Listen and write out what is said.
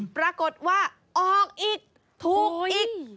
ปรากฏว่าออกอีกถูกอีก